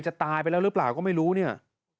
ตายไปแล้วหรือเปล่าก็ไม่รู้เนี่ย